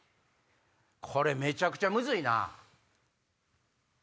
これめちゃくちゃムズいな。